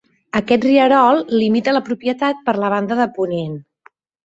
Aquest rierol limita la propietat per la banda de ponent.